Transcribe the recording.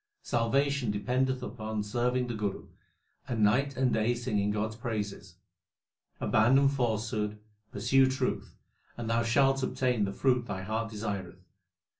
Salvation dependeth upon serving the Guru, and night and day singing God s praises. Abandon falsehood, pursue truth, And thou shalt obtain the fruit thy heart desireth.